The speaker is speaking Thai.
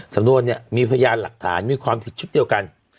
สำนวนเนี่ยมีพยานหลักฐานมีความผิดชุดเดียวกัน